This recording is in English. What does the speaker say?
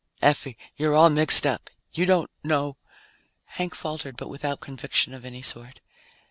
"Effie, you're all mixed up. You don't know " Hank faltered, but without conviction of any sort.